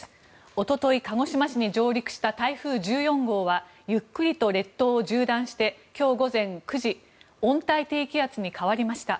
おととい、鹿児島市に上陸した台風１４号はゆっくりと列島を縦断して今日午前９時温帯低気圧に変わりました。